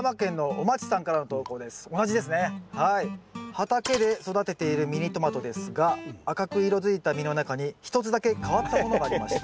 「畑で育てているミニトマトですが赤く色づいた実の中に一つだけ変わったものがありました」。